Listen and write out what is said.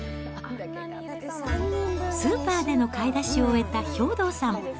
スーパーでの買い出しを終えた兵働さん。